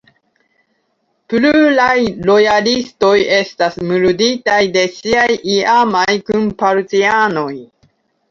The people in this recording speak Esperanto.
Pluraj lojalistoj estas murditaj de siaj iamaj kunpartianoj.